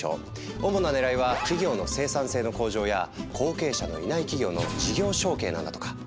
主なねらいは企業の生産性の向上や後継者のいない企業の事業承継なんだとか。